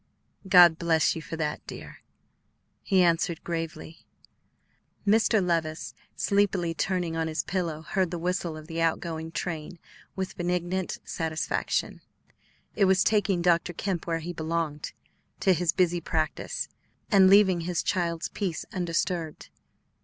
"God bless you for that, dear!" he answered gravely. Mr. Levice, sleepily turning on his pillow, heard the whistle of the out going train with benignant satisfaction. It was taking Dr. Kemp where he belonged, to his busy practice, and leaving his child's peace undisturbed.